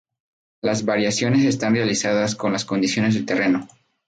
Las variaciones están relacionadas con las condiciones del terreno.